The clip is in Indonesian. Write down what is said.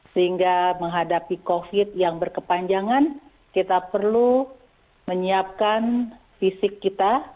sehingga menghadapi covid yang berkepanjangan kita perlu menyiapkan fisik kita